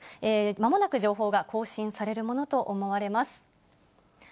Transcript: まもなく情報が更新されるものと思われます。